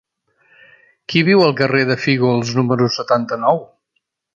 Qui viu al carrer de Fígols número setanta-nou?